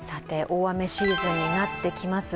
大雨シーズンになってきます。